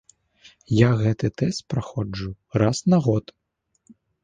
Я гэты тэст праходжу раз на год.